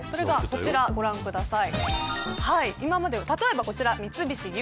こちら、ご覧ください。